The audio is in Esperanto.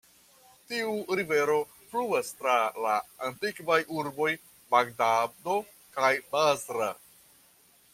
Tiu rivero fluas tra la antikvaj urboj Bagdado kaj Basra.